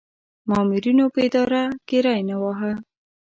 مامورینو په اداره کې ری نه واهه.